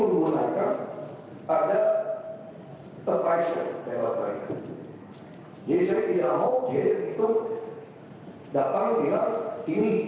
untuk berlangsung saya berhenti